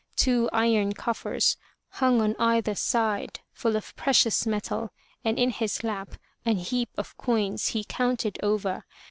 Two iron coffers hung on either side, full of precious metal, and in his lap an heap of coins he counted over.